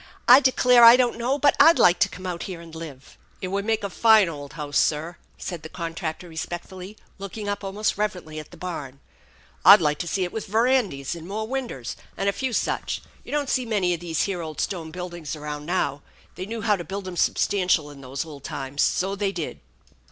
I declare I don't know but I'd like to come out here and live." " It would make a fine old house, sir," said the contractor THE ENCHANTED BARN 98 respectfully, looking up almost reverently at the barn. " I'd like to see it with, verandys, and more winders, and a few such. You don't see many of these here old stone buildings around now. They knew how to build 'em substantial in those old times, so they did."